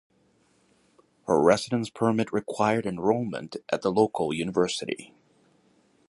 Her residence permit required enrolment at the local university.